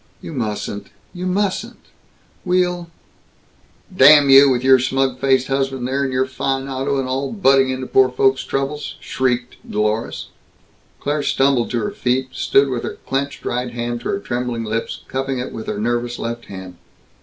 "You mustn't you mustn't we'll " "Damn you, with your smug faced husband there, and your fine auto and all, butting into poor folks' troubles!" shrieked Dlorus. Claire stumbled to her feet, stood with her clenched right hand to her trembling lips, cupping it with her nervous left hand.